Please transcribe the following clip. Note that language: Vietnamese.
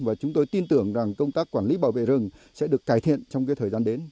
và chúng tôi tin tưởng rằng công tác quản lý bảo vệ rừng sẽ được cải thiện trong thời gian đến